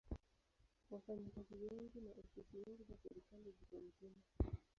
Wafanyakazi wengi na ofisi nyingi za serikali zipo mjini.